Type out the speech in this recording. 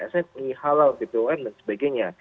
smi halal bpm dan sebagainya